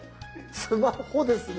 スマホですね。